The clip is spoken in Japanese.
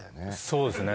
そうですね